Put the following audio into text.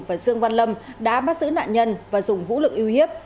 và dương văn lâm đã bắt giữ nạn nhân và dùng vũ lực uy hiếp